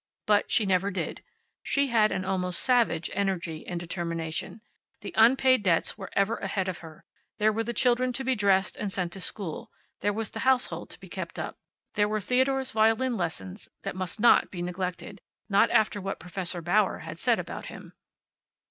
But she never did. She had an almost savage energy and determination. The unpaid debts were ever ahead of her; there were the children to be dressed and sent to school; there was the household to be kept up; there were Theodore's violin lessons that must not be neglected not after what Professor Bauer had said about him.